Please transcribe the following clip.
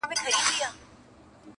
درد هېڅکله بشپړ نه ختمېږي تل.